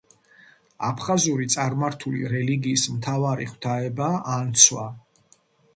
აფხაზური წარმართული რელიგიის მთავარი ღვთაებაა ანცვა.